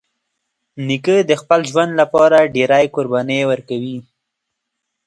نیکه د خپل ژوند له پاره ډېری قربانۍ ورکوي.